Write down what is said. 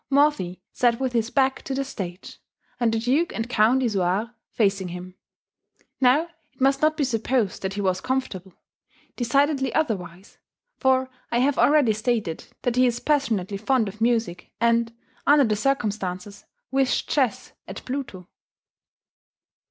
Morphy sat with his back to the stage, and the Duke and Count Isouard facing him. Now it must not be supposed that he was comfortable. Decidedly otherwise; for I have already stated that he is passionately fond of music, and, under the circumstances, wished chess at Pluto.